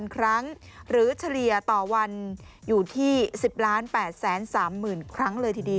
ครั้งหรือเฉลี่ยต่อวันอยู่ที่๑๐๘๓๐๐๐ครั้งเลยทีเดียว